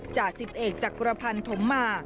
จากสิบเอกจักรพรรณธมมา